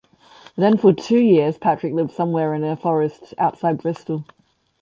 Then for two years Patrick lived somewhere in a forest outside Bristol.